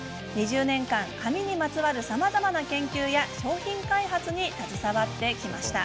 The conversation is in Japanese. ２０年間、髪にまつわるさまざまな研究や商品開発に携わってきました。